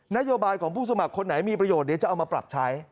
นโยบายของผู้สมัครคนไหนมีประโยชน์เดี๋ยวจะเอามาปรับใช้